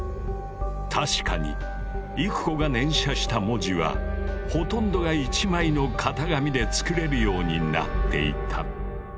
確かに郁子が念写した文字はほとんどが１枚の型紙で作れるようになっていた。